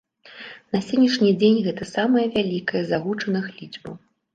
На сённяшні дзень гэта самая вялікая з агучаных лічбаў.